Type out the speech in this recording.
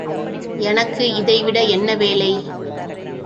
எனக்கு இதைவிட என்ன வேலை?